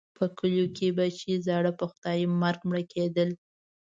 په کلیو کې به چې زاړه په خدایي مرګ مړه کېدل.